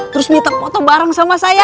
terus minta foto bareng sama saya